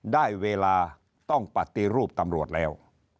ได้เวลาต้องปฏิรูปตำรวจแล้ว